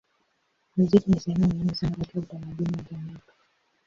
Muziki ni sehemu muhimu sana katika utamaduni wa Jamaika.